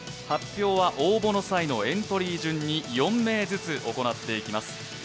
発表は応募の際のエントリー順に４名ずつ行ってまいります。